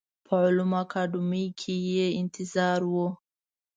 په علومو اکاډمۍ کې یې انتظار و.